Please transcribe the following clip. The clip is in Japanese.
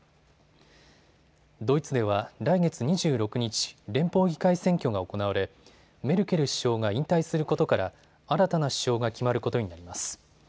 ドイツでは来月２６日、連邦議会選挙が行われメルケル首相が引退することから新たな首相が決まることになります。